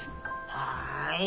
はい。